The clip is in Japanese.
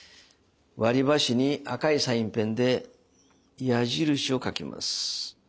割りばしに赤いサインペンで矢印を書きます。